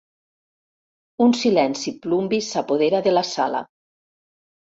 Un silenci plumbi s'apodera de la sala.